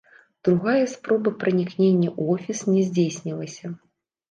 Другая спроба пранікнення ў офіс не здзейснілася.